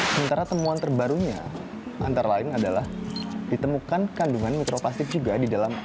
sementara temuan terbarunya antara lain adalah ditemukan kandungan mikroplastik juga di dalam